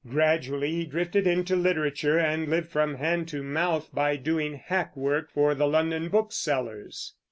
Gradually he drifted into literature, and lived from hand to mouth by doing hack work for the London booksellers.